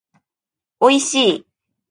おいしい